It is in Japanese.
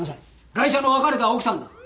ガイシャの別れた奥さんだ。